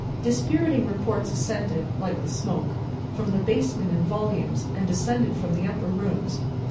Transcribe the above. Dispiriting reports ascended (like the smoke) from the basement in volumes, and descended from the upper rooms.